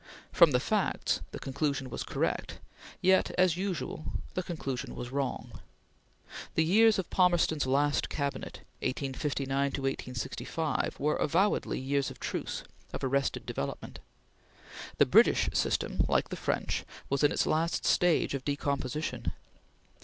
From the facts, the conclusion was correct, yet, as usual, the conclusion was wrong. The years of Palmerston's last Cabinet, 1859 to 1865, were avowedly years of truce of arrested development. The British system like the French, was in its last stage of decomposition.